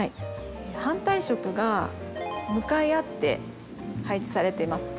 反対色が向かい合って配置されています。